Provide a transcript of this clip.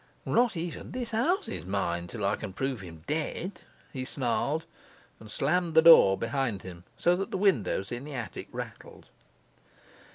'Not even this house is mine till I can prove him dead,' he snarled, and slammed the door behind him so that the windows in the attic rattled.